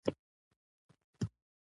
موږ دې منسوب کړيو صفتونو ته نه ځير کېږو